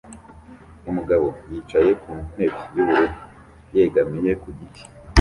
Umugabo yicaye ku ntebe yubururu yegamiye ku giti